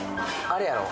あれやろ？